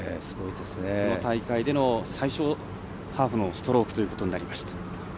この大会での最小ハーフのストロークということになりました。